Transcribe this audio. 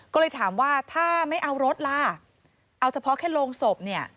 ก็เลยถามว่าถ้าไม่เอารถล่ะเอาเฉพาะแค่โรงศพเนี่ย